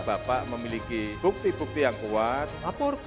bapak memiliki bukti bukti yang kuat